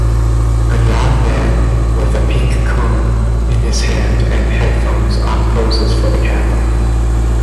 A young man with a pink comb in his hand and headphones on poses for the camera